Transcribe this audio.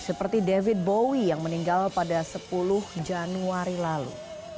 seperti david bowi yang meninggal pada sepuluh januari lalu